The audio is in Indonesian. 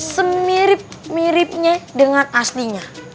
semirip miripnya dengan aslinya